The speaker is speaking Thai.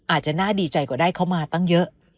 อาจจะน่าดีใจกว่าได้เข้ามาตั้งเยอะ